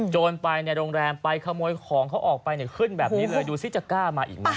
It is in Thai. ไปในโรงแรมไปขโมยของเขาออกไปเนี่ยขึ้นแบบนี้เลยดูซิจะกล้ามาอีกไหม